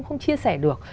không chia sẻ được